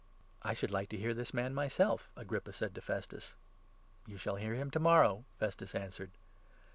"I should like to hear this man myself," Agrippa said to 22 Festus. "You shall hear him to morrow," Festus answered.